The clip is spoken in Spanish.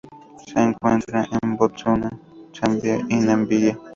Se encuentra en Botsuana, Zambia y Namibia.